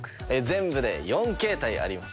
全部で４形態あります。